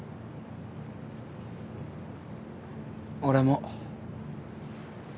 俺も。